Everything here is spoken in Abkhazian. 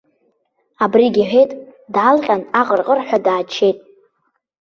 Абригь иҳәеит, даалҟьан аҟырҟырҳәа дааччеит.